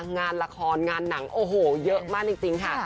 งานละครงานหนังโอ้โหเยอะมากจริงค่ะ